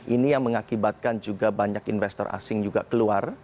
ini yang mengakibatkan juga banyak investor asing juga keluar